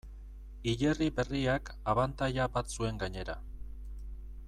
Hilerri berriak abantaila bat zuen gainera.